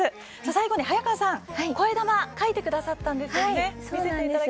最後に、早川さんこえだま書いてくださったんですよね。